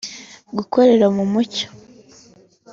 gukorera mu mucyo